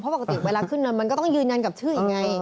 เพราะปกติเวลาขึ้นมันก็ต้องยืนยันกับชื่ออีกไง